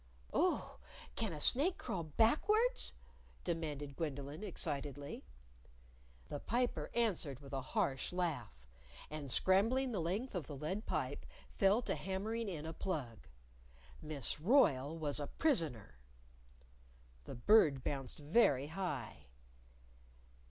"Oh, can a snake crawl backwards?" demanded Gwendolyn, excitedly. The Piper answered with a harsh laugh. And scrambling the length of the lead pipe, fell to hammering in a plug. Miss Royle was a prisoner! The Bird bounced very high.